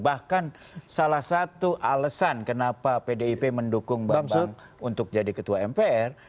bahkan salah satu alasan kenapa pdip mendukung bambu untuk jadi ketua mpr